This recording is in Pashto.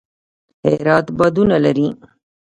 هرات بادونه لري